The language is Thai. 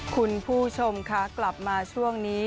คุณผู้ชมคะกลับมาช่วงนี้